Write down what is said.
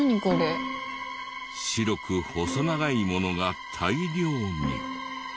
白く細長いものが大量に。